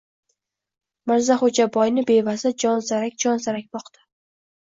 Mirzaxo‘jaboyni bevasi jonsarak-jonsarak boqdi.